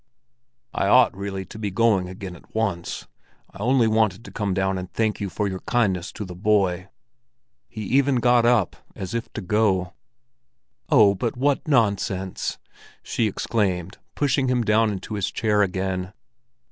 "I ought really to be going again at once. I only wanted to come down and thank you for your kindness to the boy." He even got up as if to go. "Oh, but what nonsense!" she exclaimed, pushing him down into his chair again.